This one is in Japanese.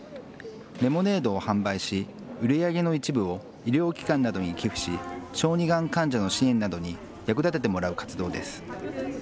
レモネードを販売し、売り上げの一部を医療機関などに寄付し、小児がん患者の支援などに役立ててもらう活動です。